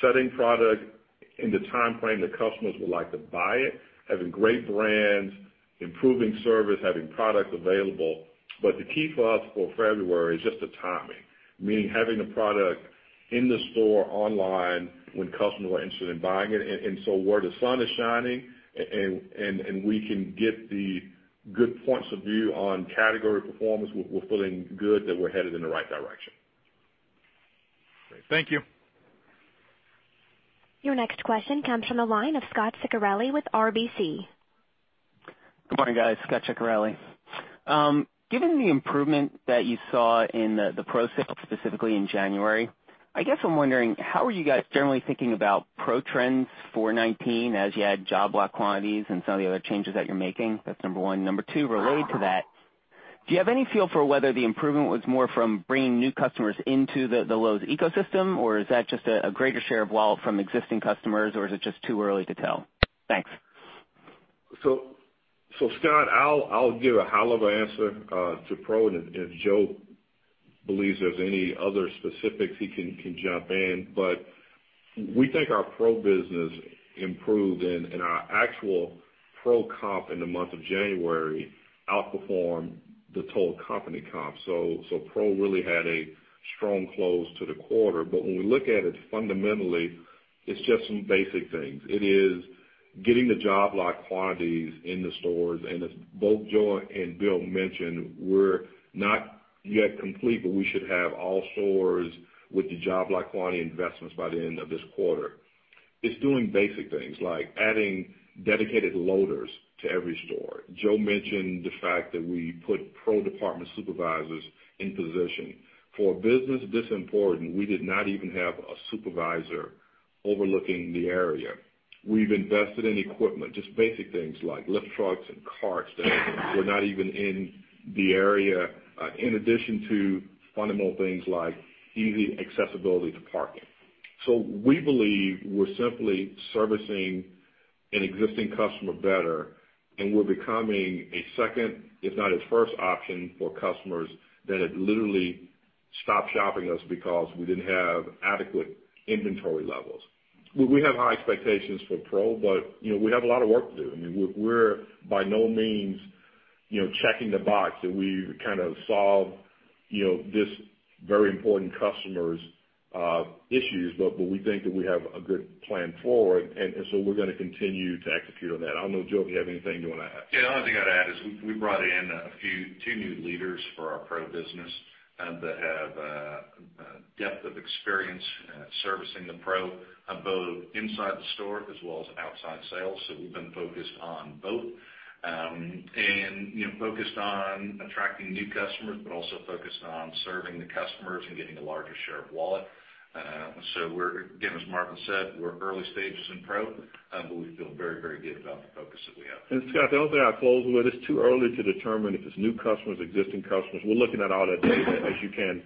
setting product in the timeframe that customers would like to buy it, having great brands, improving service, having product available. The key for us for February is just the timing, meaning having the product in the store online when customers are interested in buying it. Where the sun is shining and we can get the good points of view on category performance, we're feeling good that we're headed in the right direction. Great. Thank you. Your next question comes from the line of Scot Ciccarelli with RBC. Good morning, guys. Scot Ciccarelli. Given the improvement that you saw in the pro sales specifically in January, I guess I'm wondering: How are you guys generally thinking about pro trends for 2019 as you add job lot quantities and some of the other changes that you're making? That's number 1. Number 2, related to that, do you have any feel for whether the improvement was more from bringing new customers into the Lowe's ecosystem, or is that just a greater share of wallet from existing customers, or is it just too early to tell? Thanks. Scot, I'll give a high-level answer to pro, and if Joe believes there's any other specifics, he can jump in. We think our Pro business improved and our actual pro comp in the month of January outperformed the total company comp. Pro really had a strong close to the quarter. When we look at it fundamentally, it's just some basic things. It is getting the job lot quantities in the stores. As both Joe and Bill mentioned, we're not yet complete, but we should have all stores with the job lot quantity investments by the end of this quarter. It's doing basic things like adding dedicated loaders to every store. Joe mentioned the fact that we put Pro department supervisors in position. For a business this important, we did not even have a supervisor overlooking the area. We've invested in equipment, just basic things like lift trucks and carts that were not even in the area, in addition to fundamental things like easy accessibility to parking. We believe we're simply servicing an existing customer better, and we're becoming a second, if not a first option for customers that had literally stopped shopping us because we didn't have adequate inventory levels. We have high expectations for Pro, but we have a lot of work to do. I mean, we're by no means checking the box that we kind of solved this very important customer's issues. We think that we have a good plan forward, and we're going to continue to execute on that. I don't know, Joe, if you have anything you want to add. Yeah. The only thing I'd add is we brought in two new leaders for our Pro business that have depth of experience servicing the Pro, both inside the store as well as outside sales. We've been focused on both. Focused on attracting new customers, but also focused on serving the customers and getting a larger share of wallet. Again, as Marvin said, we're early stages in Pro, but we feel very, very good about the focus that we have. Scot, the only thing I'd close with, it's too early to determine if it's new customers, existing customers. We're looking at all that data, as you can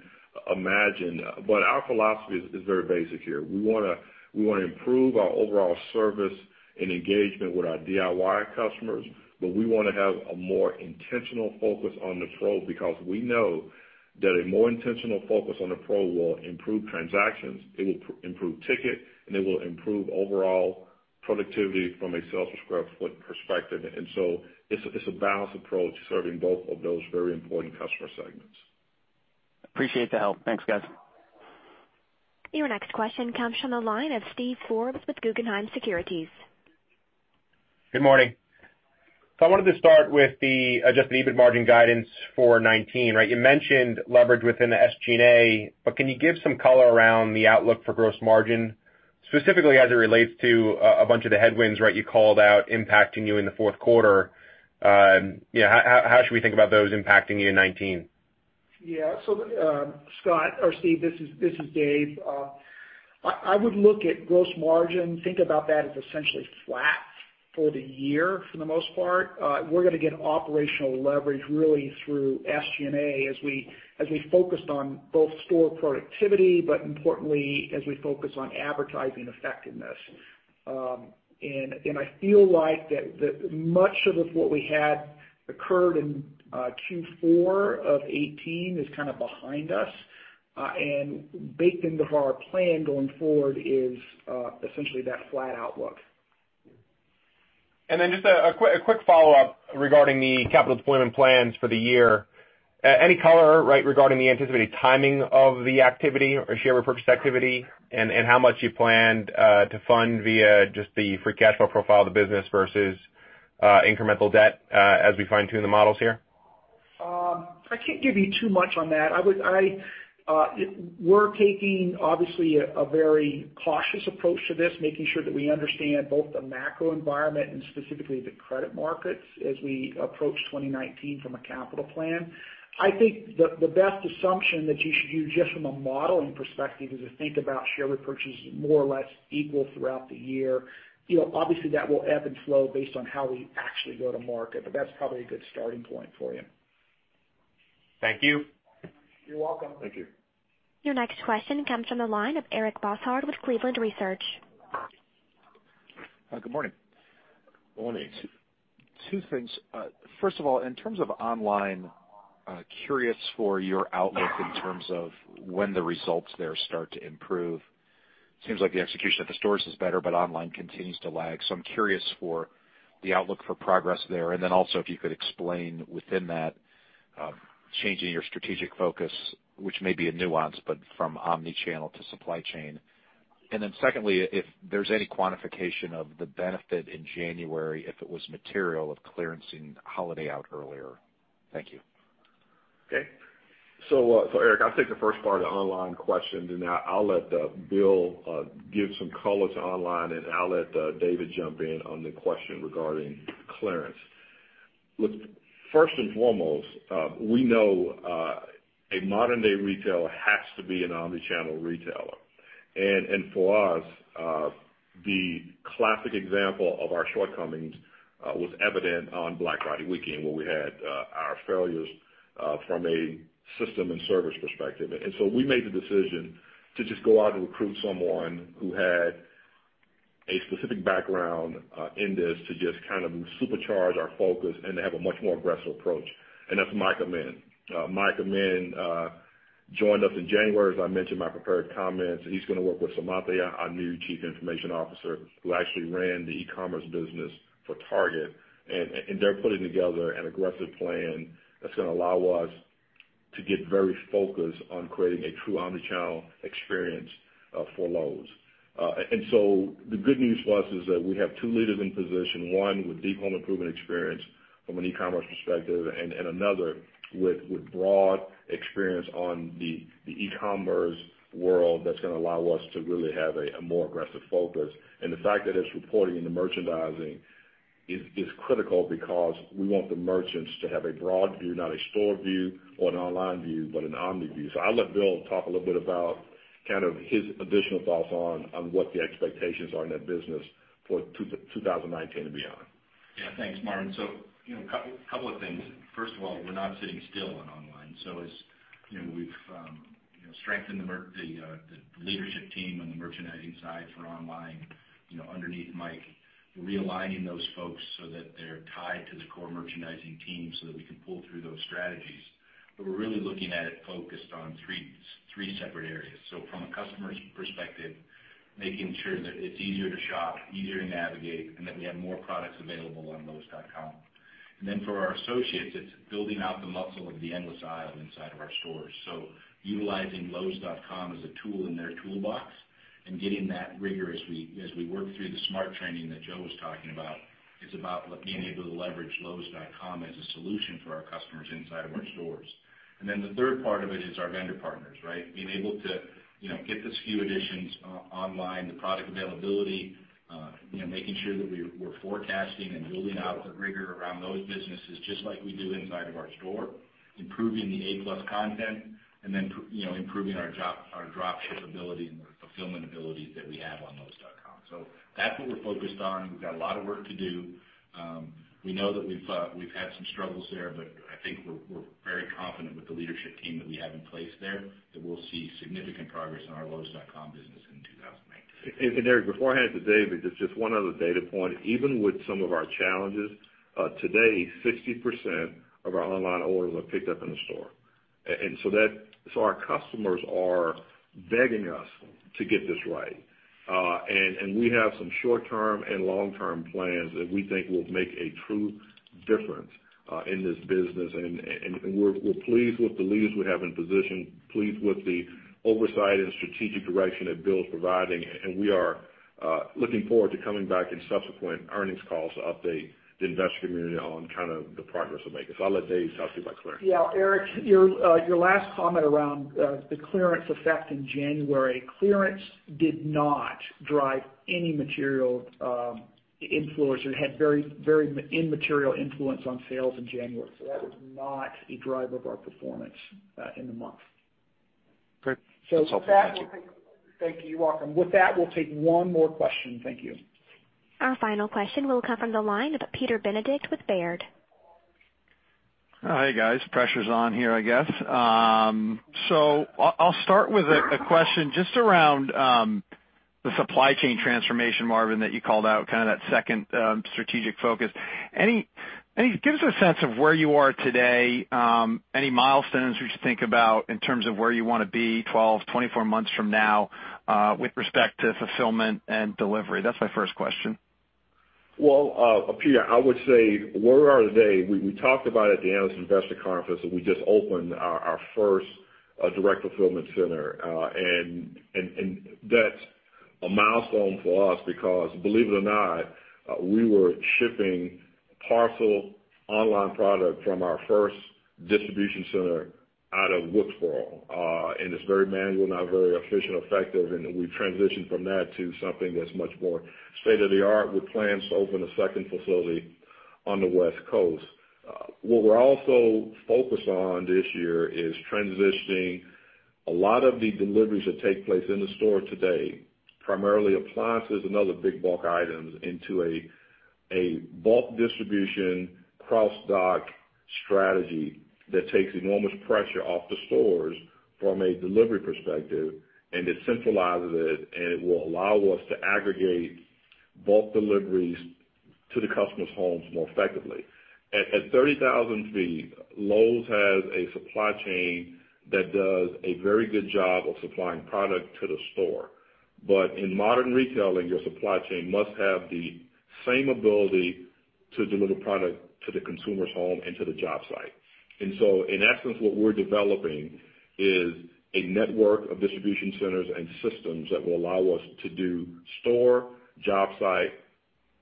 imagine. Our philosophy is very basic here. We want to improve our overall service and engagement with our DIY customers, but we want to have a more intentional focus on the Pro because we know that a more intentional focus on the Pro will improve transactions, it will improve ticket, and it will improve overall productivity from a sales per square foot perspective. It's a balanced approach to serving both of those very important customer segments. Appreciate the help. Thanks, guys. Your next question comes from the line of Steven Forbes with Guggenheim Securities. Good morning. I wanted to start with the adjusted EBIT margin guidance for 2019, right? You mentioned leverage within the SG&A, but can you give some color around the outlook for gross margin, specifically as it relates to a bunch of the headwinds, right, you called out impacting you in the fourth quarter? How should we think about those impacting you in 2019? Yeah. Steven, this is Dave Denton. I would look at gross margin, think about that as essentially flat for the year for the most part. We're going to get operational leverage really through SG&A as we focused on both store productivity, but importantly, as we focus on advertising effectiveness. I feel like that much of what we had occurred in Q4 of 2018 is kind of behind us. Baked into our plan going forward is essentially that flat outlook. Just a quick follow-up regarding the capital deployment plans for the year. Any color, right, regarding the anticipated timing of the activity or share repurchase activity and how much you planned to fund via just the free cash flow profile of the business versus incremental debt as we fine-tune the models here? I can't give you too much on that. We're taking, obviously, a very cautious approach to this, making sure that we understand both the macro environment and specifically the credit markets as we approach 2019 from a capital plan. I think the best assumption that you should use just from a modeling perspective is to think about share repurchase more or less equal throughout the year. Obviously, that will ebb and flow based on how we actually go to market, but that's probably a good starting point for you. Thank you. You're welcome. Thank you. Your next question comes from the line of Eric Bosshard with Cleveland Research. Good morning. Morning. Two things. First of all, in terms of online, curious for your outlook in terms of when the results there start to improve. Seems like the execution at the stores is better, but online continues to lag. I'm curious for the outlook for progress there, also if you could explain within that changing your strategic focus, which may be a nuance, but from omni-channel to supply chain. Secondly, if there's any quantification of the benefit in January, if it was material of clearancing holiday out earlier. Thank you. Okay. Eric, I'll take the first part of the online question, then I'll let Bill give some color to online, I'll let Dave jump in on the question regarding clearance. Look, first and foremost, we know a modern-day retailer has to be an omni-channel retailer. For us, the classic example of our shortcomings was evident on Black Friday weekend where we had our failures from a system and service perspective. We made the decision to just go out and recruit someone who had a specific background in this to just kind of supercharge our focus and to have a much more aggressive approach. That's Mike Amend. Mike Amend joined us in January, as I mentioned in my prepared comments. He's going to work with Seemantini, our new Chief Information Officer, who actually ran the e-commerce business for Target. They're putting together an aggressive plan that's going to allow us to get very focused on creating a true omni-channel experience for Lowe's. The good news for us is that we have two leaders in position, one with deep home improvement experience from an e-commerce perspective and another with broad experience on the e-commerce world that's going to allow us to really have a more aggressive focus. The fact that it's reporting into merchandising is critical because we want the merchants to have a broad view, not a store view or an online view, but an omni view. I'll let Bill talk a little bit about kind of his additional thoughts on what the expectations are in that business for 2019 and beyond. Yeah. Thanks, Marvin. A couple of things. First of all, we're not sitting still on online. As we've strengthened the leadership team on the merchandising side for online underneath Mike, realigning those folks so that they're tied to the core merchandising team so that we can pull through those strategies. We're really looking at it focused on three separate areas. From a customer's perspective, making sure that it's easier to shop, easier to navigate, and that we have more products available on lowes.com. For our associates, it's building out the muscle of the endless aisle inside of our stores. Utilizing lowes.com as a tool in their toolbox and getting that rigor as we work through the SMART training that Joe was talking about, is about being able to leverage lowes.com as a solution for our customers inside of our stores. The third part of it is our vendor partners, right? Being able to get the SKU additions online, the product availability, making sure that we're forecasting and building out the rigor around those businesses just like we do inside of our store, improving the A+ content, improving our drop ship ability and our fulfillment abilities that we have on lowes.com. That's what we're focused on. We've got a lot of work to do. We know that we've had some struggles there, but I think we're very confident with the leadership team that we have in place there, that we'll see significant progress in our lowes.com business in 2019. Eric, before I head to Dave, just one other data point. Even with some of our challenges, today, 60% of our online orders were picked up in the store. Our customers are begging us to get this right. We have some short-term and long-term plans that we think will make a true difference in this business. We're pleased with the leaders we have in position, pleased with the oversight and strategic direction that Bill's providing, we are looking forward to coming back in subsequent earnings calls to update the investor community on kind of the progress we're making. I'll let Dave talk to you about clearance. Yeah, Eric, your last comment around the clearance effect in January, clearance did not drive any material influence or had very immaterial influence on sales in January. That was not a driver of our performance in the month. Great. That's helpful. Thank you. Thank you. You're welcome. With that, we'll take one more question. Thank you. Our final question will come from the line of Peter Benedict with Baird. Hey, guys. Pressure's on here, I guess. I'll start with a question just around the supply chain transformation, Marvin, that you called out, kind of that second strategic focus. Give us a sense of where you are today. Any milestones we should think about in terms of where you want to be 12, 24 months from now with respect to fulfillment and delivery? That's my first question. Well, Peter, I would say where we are today, we talked about at the analyst investor conference that we just opened our first direct fulfillment center. That's a milestone for us because believe it or not, we were shipping parcel online product from our first distribution center out of Wilkesboro. It's very manual, not very efficient, effective, and we've transitioned from that to something that's much more state-of-the-art with plans to open a second facility on the West Coast. What we're also focused on this year is transitioning a lot of the deliveries that take place in the store today, primarily appliances and other big bulk items, into a bulk distribution cross dock strategy that takes enormous pressure off the stores from a delivery perspective, and it centralizes it, and it will allow us to aggregate bulk deliveries to the customer's homes more effectively. At 30,000 feet, Lowe's has a supply chain that does a very good job of supplying product to the store. In modern retailing, your supply chain must have the same ability to deliver product to the consumer's home and to the job site. In essence, what we're developing is a network of distribution centers and systems that will allow us to do store, job site,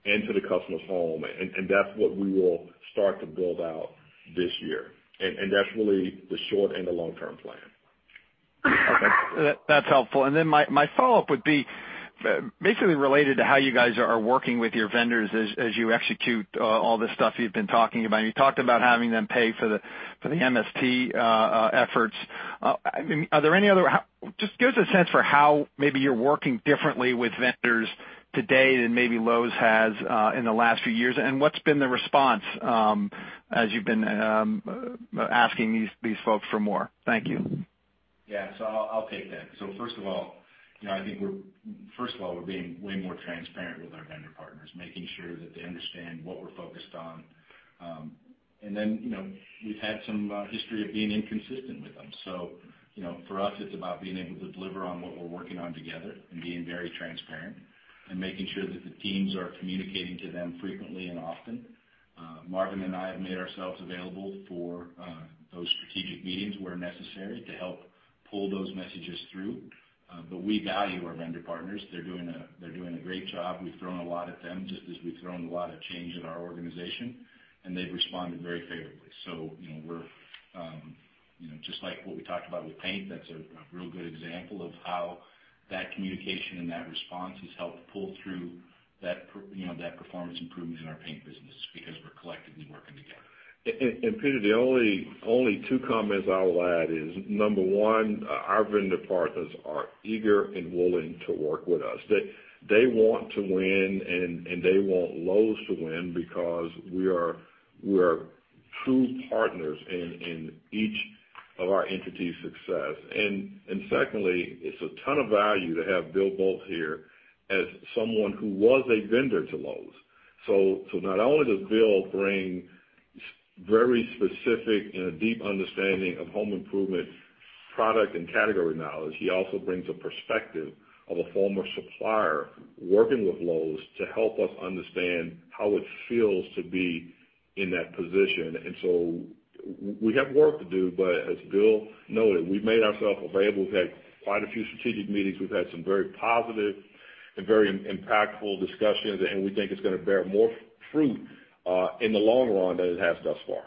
and to the customer's home, and that's what we will start to build out this year. That's really the short and the long-term plan. Okay. That's helpful. My follow-up would be basically related to how you guys are working with your vendors as you execute all this stuff you've been talking about. You talked about having them pay for the MST efforts. Just give us a sense for how maybe you're working differently with vendors today than maybe Lowe's has in the last few years, and what's been the response as you've been asking these folks for more. Thank you. Yeah. I'll take that. First of all, I think we're being way more transparent with our vendor partners, making sure that they understand what we're focused on. We've had some history of being inconsistent with them. For us, it's about being able to deliver on what we're working on together and being very transparent and making sure that the teams are communicating to them frequently and often. Marvin and I have made ourselves available for those strategic meetings where necessary to help pull those messages through. We value our vendor partners. They're doing a great job. We've thrown a lot at them, just as we've thrown a lot of change at our organization, and they've responded very favorably. Just like what we talked about with paint, that's a real good example of how that communication and that response has helped pull through that performance improvements in our paint business because we're collectively working together. Peter, the only two comments I'll add is, number 1, our vendor partners are eager and willing to work with us. They want to win, and they want Lowe's to win because we are true partners in each of our entities' success. Secondly, it's a ton of value to have Bill Boltz here as someone who was a vendor to Lowe's. Not only does Bill bring very specific and a deep understanding of home improvement product and category knowledge, he also brings a perspective of a former supplier working with Lowe's to help us understand how it feels to be in that position. We have work to do, but as Bill noted, we've made ourselves available. We've had quite a few strategic meetings. We've had some very positive and very impactful discussions. We think it's going to bear more fruit in the long run than it has thus far.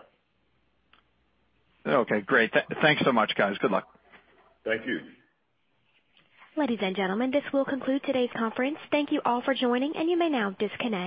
Okay, great. Thanks so much, guys. Good luck. Thank you. Ladies and gentlemen, this will conclude today's conference. Thank you all for joining, and you may now disconnect.